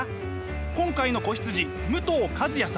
今回の子羊武藤一也さん。